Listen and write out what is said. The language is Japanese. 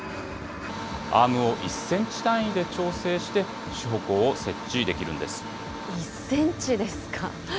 アームを１センチ単位で調整して、１センチですか。